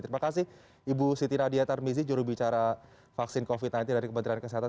terima kasih ibu siti nadia tarmizi jurubicara vaksin covid sembilan belas dari kementerian kesehatan